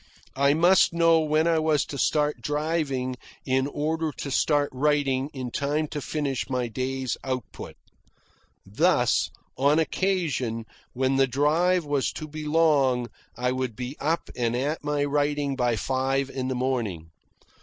I must know when I was to start driving in order to start writing in time to finish my day's output. Thus, on occasion, when the drive was to be long, I would be up and at my writing by five in the morning.